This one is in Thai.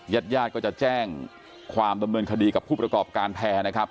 ญาติญาติก็จะแจ้งความดำเนินคดีกับผู้ประกอบการแพร่นะครับ